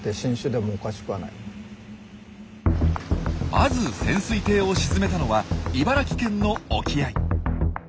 まず潜水艇を沈めたのは茨城県の沖合。